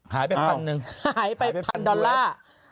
หายไป๑๐๐๐ดอลลาร์